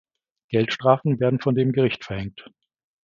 Geldstrafen werden von dem Gericht verhängt.